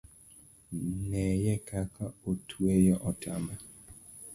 Neye kaka otweyo otamba